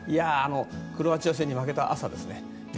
クロアチア戦に負けた朝ですね。